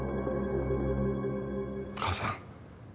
母さん。